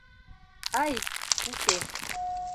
— Ай, уке...